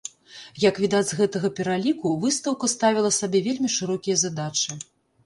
Як відаць з гэтага пераліку, выстаўка ставіла сабе вельмі шырокія задачы.